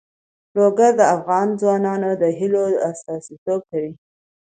لوگر د افغان ځوانانو د هیلو استازیتوب کوي.